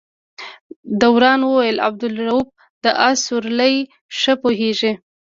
دوران وویل عبدالروف د آس سورلۍ ښه پوهېږي.